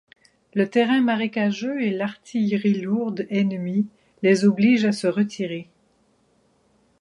Le terrain marécageux et l'artillerie lourde ennemie les obligent à se retirer.